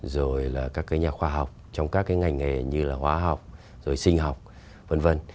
rồi là các cái nhà khoa học trong các cái ngành nghề như là hóa học rồi sinh học v v